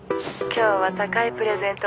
今日は高いプレゼント